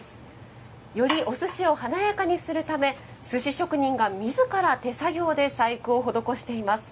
よりお寿司を華やかにするため寿司職人が自ら手作業で細工を施しています。